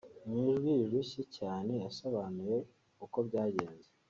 Mu ijwi rirushye cyane yasobanuye uko byagenze